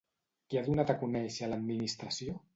Què ha donat a conèixer l'administració?